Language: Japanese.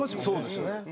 そうですね。